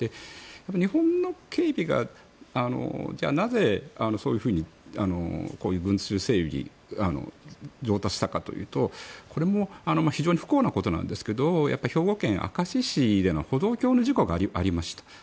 日本の警備が、じゃあなぜそういうふうに群集整理が上達したかというと、これも非常に不幸なことなんですけど兵庫県明石市での歩道橋の事故がありましたと。